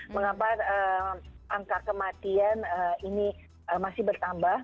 mengapa angka kematian ini masih bertambah